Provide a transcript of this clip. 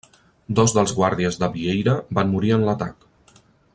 Dos dels guàrdies de Vieira van morir en l'atac.